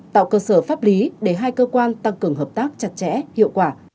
tạo cơ sở pháp lý để hai cơ quan tăng cường hợp tác chặt chẽ hiệu quả